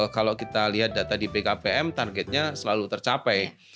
kalau kita lihat data di bkpm targetnya selalu tercapai